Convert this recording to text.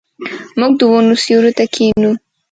موږ د ونو سیوري ته کښینو.